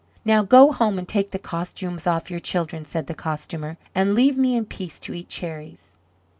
"Now go home and take the costumes off your children," said the Costumer, "and leave me in peace to eat cherries."